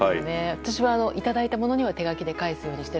私はいただいたものには手書きで返すように。